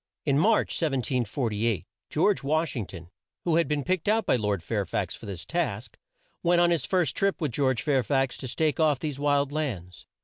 In March, 1748, George Wash ing ton, who had been picked out by Lord Fair fax for this task, went on his first trip with George Fair fax to stake off these wild lands.